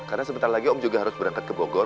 karena sebentar lagi om juga harus berangkat ke bogor